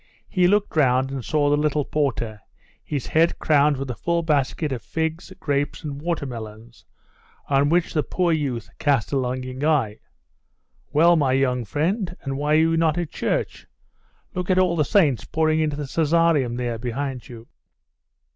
He looked round, and saw the little porter, his head crowned with a full basket of figs, grapes, and water melons, on which the poor youth cast a longing eye. 'Well, my young friend, and why are you not at church? Look at all the saints pouring into the Caesareum there, behind you.